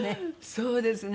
そうですね。